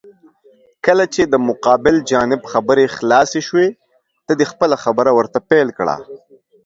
کله چې د مقابل جانب خبرې خلاسې شوې، ته دې خپله خبره ورته پېل کړه.